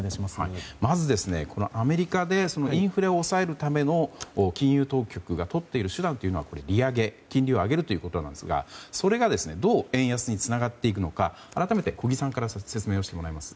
まず、アメリカでインフレを抑えるための金融当局がとっている手段は利上げ金利を上げるということですがそれがどう円安につながっていくのか改めて小木さんから説明してもらいます。